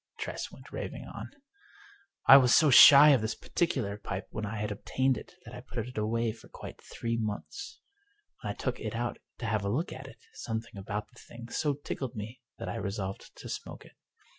Tress went rav ing on: "I was so shy of this particular pipe when I had obtained it, that I put it away for quite three months. When I took it out to have a look at it something about the thing so tickled me that I resolved to smoke it.